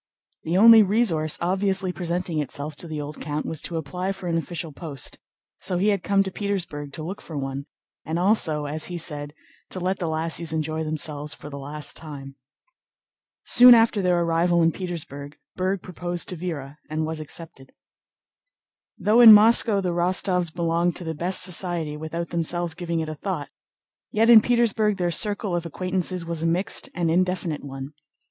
The only resource obviously presenting itself to the old count was to apply for an official post, so he had come to Petersburg to look for one and also, as he said, to let the lassies enjoy themselves for the last time. Soon after their arrival in Petersburg Berg proposed to Véra and was accepted. Though in Moscow the Rostóvs belonged to the best society without themselves giving it a thought, yet in Petersburg their circle of acquaintances was a mixed and indefinite one.